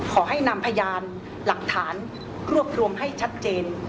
ขอให้นำพยานหลักฐานรวบรวมให้ชัดเจน